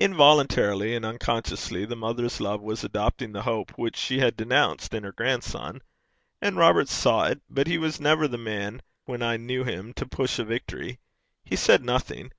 Involuntarily and unconsciously the mother's love was adopting the hope which she had denounced in her grandson. And Robert saw it, but he was never the man when I knew him to push a victory. He said nothing.